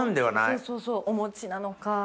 そうそうそうおもちなのか。